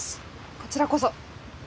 こちらこそ。